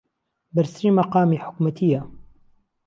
بەرزترین مەقامی حکوومەتییە